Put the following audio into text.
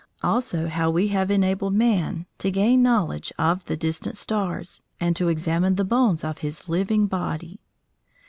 Also how we have enabled man to gain knowledge of the distant stars, and to examine the bones of his living body.